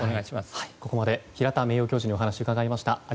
ここまで平田名誉教授にお話を伺いました。